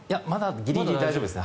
ギリギリ大丈夫です。